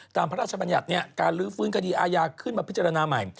พระราชบัญญัติการลื้อฟื้นคดีอาญาขึ้นมาพิจารณาใหม่